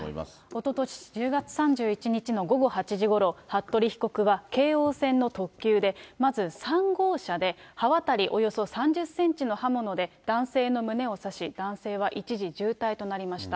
おととし１０月３１日の午後８時ごろ、服部被告は京王線の特急で、まず３号車で刃渡りおよそ３０センチの刃物で男性の胸を刺し、男性は一時重体となりました。